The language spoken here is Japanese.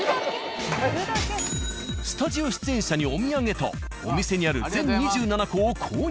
スタジオ出演者にお土産とお店にある全２７個を購入！